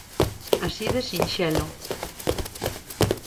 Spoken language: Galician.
Así de sinxelo.